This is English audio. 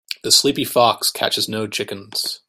The sleepy fox catches no chickens.